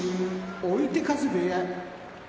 追手風部屋